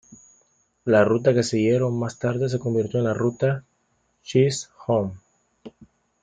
La ruta que siguieron más tarde se convirtió en la Ruta Chisholm.